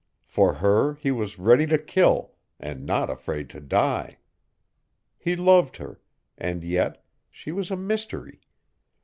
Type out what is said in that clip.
For her he was ready to kill, and not afraid to die. He loved her. And yet she was a mystery.